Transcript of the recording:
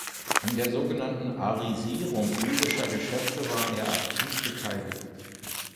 An der sogenannten Arisierung jüdischer Geschäfte war er aktiv beteiligt.